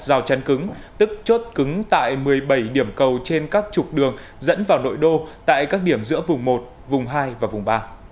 rào chắn cứng tức chốt cứng tại một mươi bảy điểm cầu trên các trục đường dẫn vào nội đô tại các điểm giữa vùng một vùng hai và vùng ba